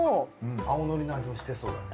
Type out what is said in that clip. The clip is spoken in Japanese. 青のりの味もしてそうだね。